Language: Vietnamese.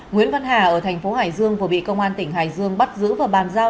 nguyễn văn hà ở thành phố hải dương vừa bị công an tỉnh hải dương bắt giữ và bàn giao